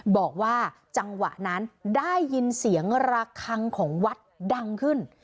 บอกว่าจังหวะนั้นได้ยินเสียงระคังของวัดดังขึ้น